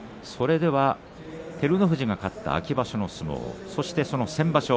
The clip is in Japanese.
照ノ富士が勝った秋場所の相撲そして、先場所